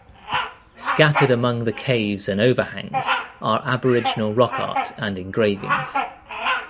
Scattered among the caves and overhangs are Aboriginal rock art and engravings.